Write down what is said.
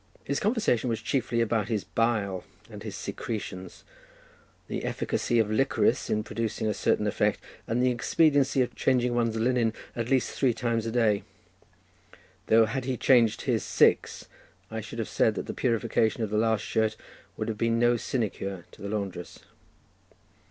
His conversation was chiefly about his bile and his secretions, the efficacy of licorice in producing a certain effect, and the expediency of changing one's linen at least three times a day; though had he changed his six I should have said that the purification of the last shirt would have been no sinecure to the laundress.